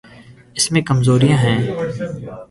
اس میں کمزوریاں ہیں۔